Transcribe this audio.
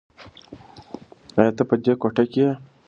ایا ته په دې کوټه کې یې؟